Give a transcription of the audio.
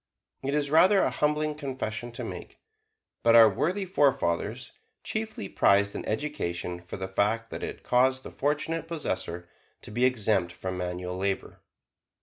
It is rather a humbling confession to make, but our worthy forefathers chiefly prized an education for the fact that it caused the fortunate possessor to be exempt from manual labor.